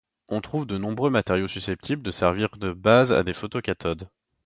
On trouve de nombreux matériaux susceptibles de servir de base à des photocathodes.